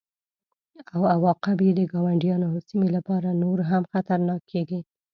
او عواقب یې د ګاونډیانو او سیمې لپاره نور هم خطرناکه کیږي